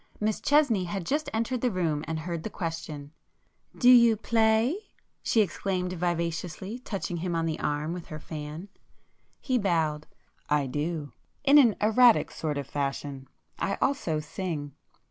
Miss Chesney had just entered the room and heard the question. "Do you play?" she exclaimed vivaciously, touching him on the arm with her fan. He bowed. "I do. In an erratic sort of fashion. I also sing.